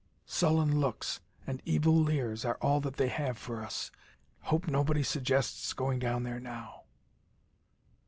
Sullen looks and evil leers are all that they have for us. Hope nobody suggests going down there now."